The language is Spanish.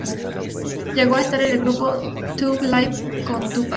Llegó a estar en el grupo Thug Life con Tupac.